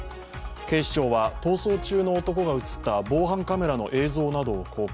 警視庁は逃走中の男が映った防犯カメラの映像などを公開。